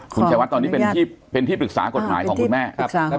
คุณชายวัดตอนนี้เป็นที่ปรึกษากฎหมายของคุณแม่